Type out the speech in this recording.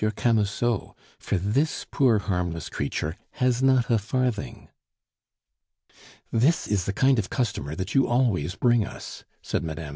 Camusot, for this poor, harmless creature has not a farthing." "This is the kind of customer that you always bring us," said Mme.